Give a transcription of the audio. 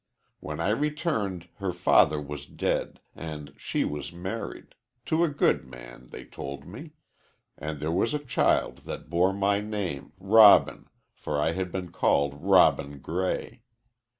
"When I returned her father was dead, and she was married to a good man, they told me and there was a child that bore my name, Robin, for I had been called Robin Gray.